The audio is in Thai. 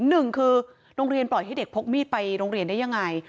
หนึ่งคือโรงเรียนปล่อยให้เด็กพกมีดไปโรงเรียนได้ยังไง